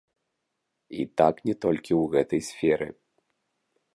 І так не толькі ў гэтай сферы.